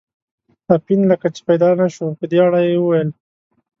اپین لکه چې پیدا نه شو، په دې اړه یې وویل.